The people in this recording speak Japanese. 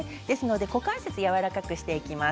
股関節をやわらかくしていきます。